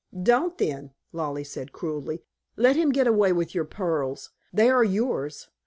"Don't then," Lollie said cruelly. "Let him get away with your pearls; they are yours.